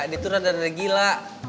dia tuh rada rada gila